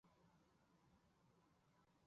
湖广戊子乡试。